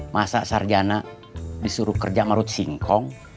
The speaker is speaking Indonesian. masa sarjana disuruh kerja ngerut singkong